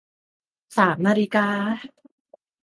สามนาฬิกา